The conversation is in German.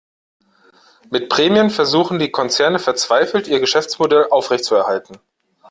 Mit Prämien versuchen die Konzerne verzweifelt, ihr Geschäftsmodell aufrechtzuerhalten.